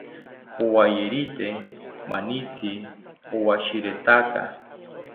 Owayerite manitzi owashiretaka